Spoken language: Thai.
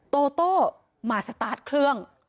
โตโต้มาสตาร์ทเครื่อง